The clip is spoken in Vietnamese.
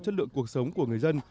chất lượng cuộc sống của người dân